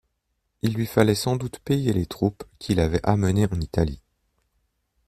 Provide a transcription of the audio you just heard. Il lui fallait sans doute payer les troupes qu'il avait amenées en Italie.